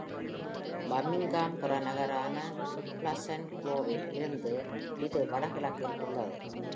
பிர்மிங்ஹம் புறநகரான ப்ளசன்ட் குளோவில் இருந்து இது வடகிழக்கில் உள்ளது.